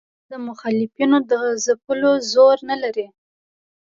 هغه د مخالفینو د ځپلو زور نه لري.